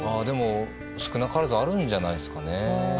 少なからずあるんじゃないですかね。